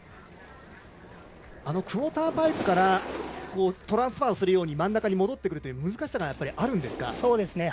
クオーターパイプからトランスファーするように真ん中に戻ってくる難しさがあるんですか。